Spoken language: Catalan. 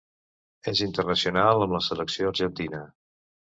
És internacional amb la selecció argentina.